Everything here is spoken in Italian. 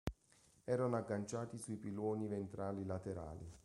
Erano agganciati sui piloni ventrali laterali.